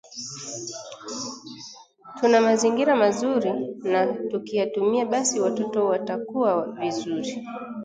Tuna mazingira mazuri na tukiyatumia basi watoto watakua vizuri